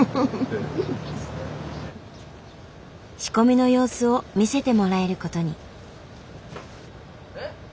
仕込みの様子を見せてもらえることに。